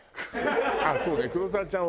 そうね黒沢ちゃん